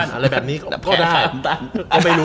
อะไรแบบนี้ก็ได้